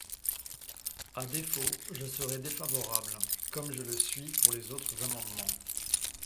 À défaut, j’y serai défavorable, comme je le suis pour les autres amendements.